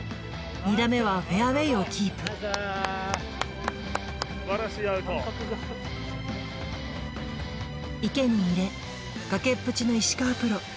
２打目はフェアウェイをキープ池に入れ崖っぷちの石川プロ